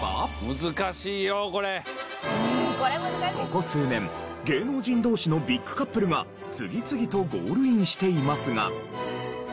ここ数年芸能人同士のビッグカップルが次々とゴールインしていますが。